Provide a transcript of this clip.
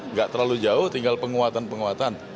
nggak terlalu jauh tinggal penguatan penguatan